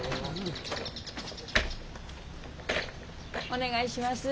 お願いします。